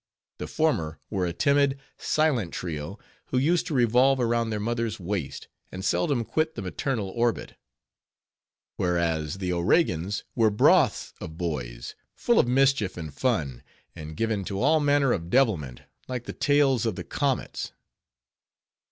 The former were a timid, silent trio, who used to revolve around their mother's waist, and seldom quit the maternal orbit; whereas, the O'Regans were "broths of boys," full of mischief and fun, and given to all manner of devilment, like the tails of the comets.